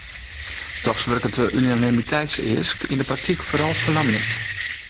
Dochs wurket de unanimiteitseask yn de praktyk foaral ferlamjend.